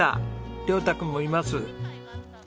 椋太君もいます。